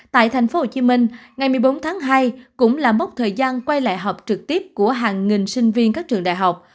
tại tp hcm ngày một mươi bốn tháng hai cũng là mốc thời gian quay lại học trực tiếp của hàng nghìn sinh viên các trường đại học